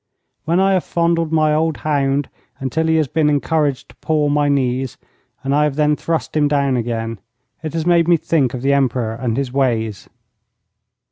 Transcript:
When I have fondled my old hound until he has been encouraged to paw my knees, and I have then thrust him down again, it has made me think of the Emperor and his ways.